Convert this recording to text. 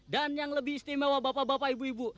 dan yang lebih istimewa bapak bapak ibu ibu